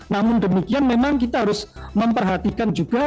namun demikian memang kita harus memperhatikan juga